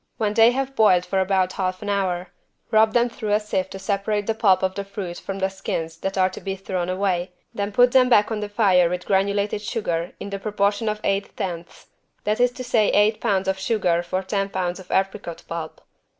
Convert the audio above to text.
When they have boiled for about half an hour, rub them through a sieve to separate the pulp of the fruit from the skins that are to be thrown away, then put them back on the fire with granulated sugar in the proportion of eight tenths, that is to say eight pounds of sugar for ten pounds of apricot pulp.